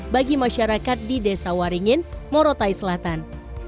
bagi masyarakat di desa waringin morotai selatan